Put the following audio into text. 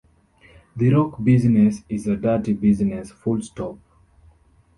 The rock business is a dirty business full stop.